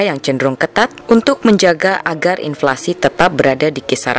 yang cenderung ketat untuk menjaga agar inflasi tetap berada di kisaran